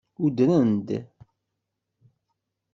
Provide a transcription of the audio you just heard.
Udren-d.